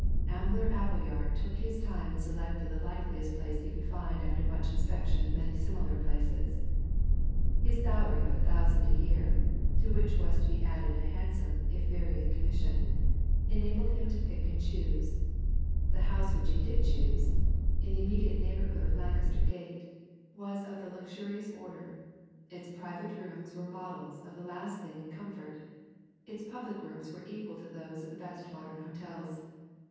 Ambler Appleyard took his time and selected the likeliest place he could find after much inspection of many similar places. His salary of a thousand a year (to which was to be added a handsome, if varying commission) enabled him to pick and choose; the house which he did choose, in the immediate neighbourhood of Lancaster Gate, was of the luxurious order; its private rooms were models of the last thing in comfort, its public rooms were equal to those of the best modern hotels.